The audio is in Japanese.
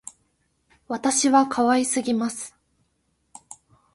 私は可愛すぎます